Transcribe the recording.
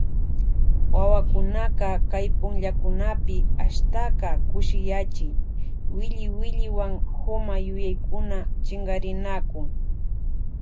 Wawakunaka kay punllakunapi ashtaka kushiyachiy williwilliwan huma yuyaykuna chinkarinakun.